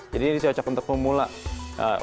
jadi ini cocok untuk memulai